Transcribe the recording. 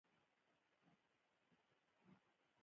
کوم څه دې چې نه وژنې پياوړي کوي دی .